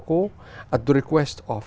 bởi lựa chọn của